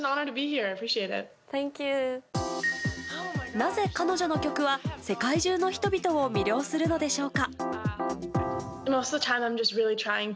なぜ彼女の曲は世界中の人々を魅了するのでしょうか。